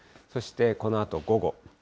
そしてこのあと午後。